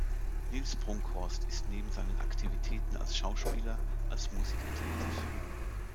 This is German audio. Nils Brunkhorst ist neben seinen Aktivitäten als Schauspieler als Musiker tätig.